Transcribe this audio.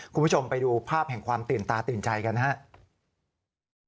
คุณผู้ชมไปดูภาพแห่งความตื่นตาตื่นใจกันนะครับ